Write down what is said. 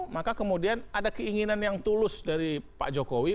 maka kemudian ada keinginan yang tulus dari pak jokowi